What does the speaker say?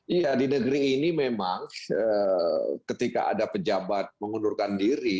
iya di negeri ini memang ketika ada pejabat mengundurkan diri